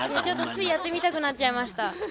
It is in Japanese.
ちょっとついやってみたくなっちゃいました。